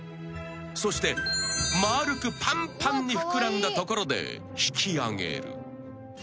［そして丸くぱんぱんに膨らんだところで引きあげる］